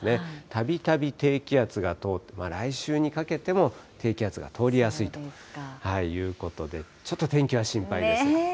たびたび低気圧が通って、来週にかけても低気圧が通りやすいということで、ちょっと天気は心配です。